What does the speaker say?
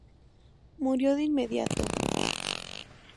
Murió de inmediato.